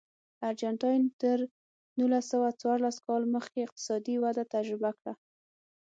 ارجنټاین تر نولس سوه څوارلس کال مخکې اقتصادي وده تجربه کړه.